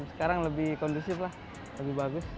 sekarang lebih kondusif lah lebih bagus